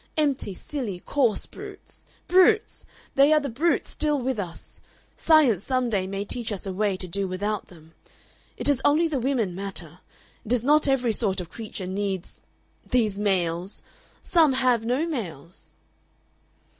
Empty, silly, coarse brutes. Brutes! They are the brute still with us! Science some day may teach us a way to do without them. It is only the women matter. It is not every sort of creature needs these males. Some have no males."